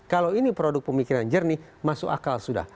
kalau ini produk pemikiran jernih masuk akal sudah